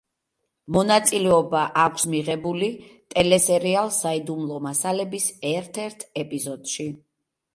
მონაწილეობა აქვს მიღებული ტელესერიალ „საიდუმლო მასალების“ ერთ-ერთ ეპიზოდში.